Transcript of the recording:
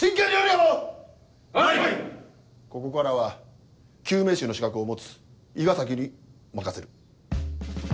ここからは救命士の資格を持つ伊賀崎に任せる。